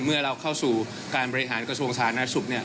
เมื่อเราเข้าสู่การบริหารกระทรวงสาธารณสุขเนี่ย